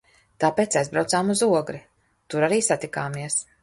Tāpēc aizbraucām uz Ogri. Tur arī satikāmies.